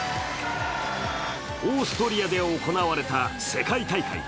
オーストリアで行われた世界大会。